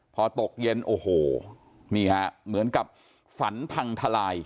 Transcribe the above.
พอตกเย็นโอ้โหนี่ฮะเหมือนกับฝันพังทลาย